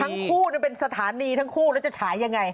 ทั้งคู่เป็นสถานีทั้งคู่แล้วจะฉายยังไง